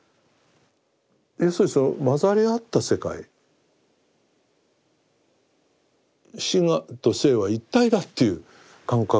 要するにその混ざり合った世界死と生は一体だという感覚ですよね。